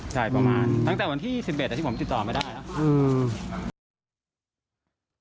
ใช่ประมาณตั้งแต่วันที่สิบเอ็ดที่ผมติดต่อไม่ได้